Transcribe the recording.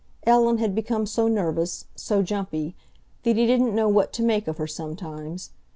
Ellen had become so nervous, so "jumpy," that he didn't know what to make of her sometimes.